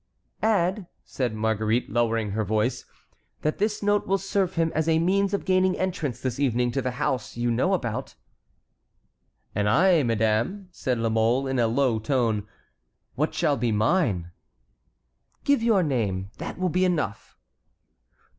"Add," said Marguerite, lowering her voice, "that this note will serve him as a means of gaining entrance this evening to the house you know about." "And I, madame," said La Mole, in a low tone, "what shall be mine?" "Give your name. That will be enough."